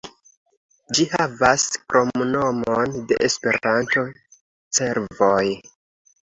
Ĝi havas kromnomon de Esperanto, "Cervoj".